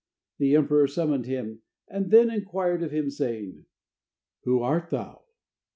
The emperor summoned him and then inquired of him, saying: "Who art thou?"